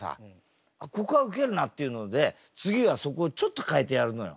「ここはウケるな」っていうので次はそこをちょっと変えてやるのよ。